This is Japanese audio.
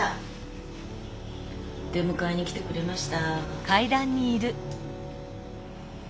出迎えに来てくれました。